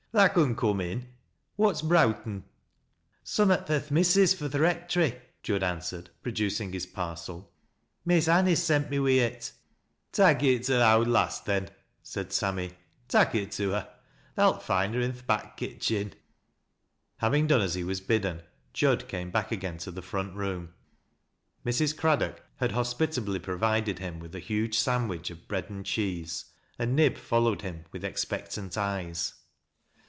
" Tha con coom in. What's browten?" "Summat fur th' missis fro' th' rectory," Jud answered, producing his parcel ;" Miss Anice sent me wi' it." " Tak' it to th' owd lass, then," said Sammy. " Tak' it to her. Tha'lt find her in th' back kitchen." Having done as he was bidden, Jud came back again Ui the front room. Mrs. Craddock had hospitably provided him with a huge sandwich of bread and cheese, and Nib followed him with expectant eyes.